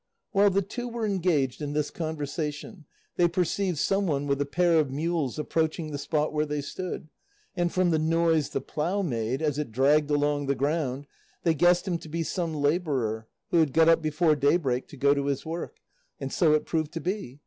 While the two were engaged in this conversation, they perceived some one with a pair of mules approaching the spot where they stood, and from the noise the plough made, as it dragged along the ground, they guessed him to be some labourer who had got up before daybreak to go to his work, and so it proved to be.